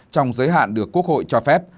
trong giới hạn được quốc hội cho phép